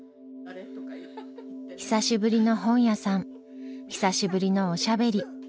久しぶりの本屋さん久しぶりのおしゃべり。